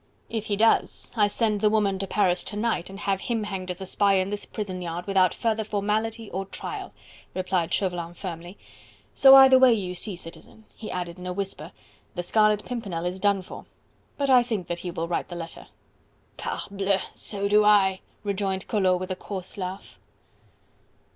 "If he does, I send the woman to Paris to night and have him hanged as a spy in this prison yard without further formality or trial..." replied Chauvelin firmly; "so either way, you see, Citizen," he added in a whisper, "the Scarlet Pimpernel is done for.... But I think that he will write the letter." "Parbleu! so do I!..." rejoined Collot with a coarse laugh.